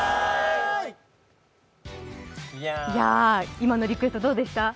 今のリクエスト、どうでした？